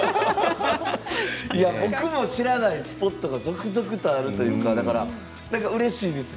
いや僕も知らないスポットが続々とあるというかなんかうれしいです。